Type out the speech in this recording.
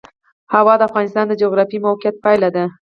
هوا د افغانستان د جغرافیایي موقیعت پایله ده.